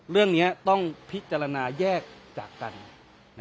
เรื่องเนี่ยต้องพิจารณาแยกจากกันนะครับ